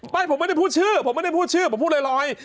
ไม่ผมไม่ได้พูดชื่อผมไม่ได้พูดชื่อผมพูดลอย